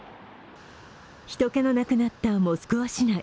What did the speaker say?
人けのなくなったモスクワ市内。